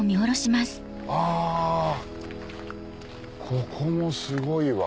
ここもすごいわ。